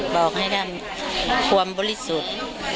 บอกให้ได้ความบริสุทธิ์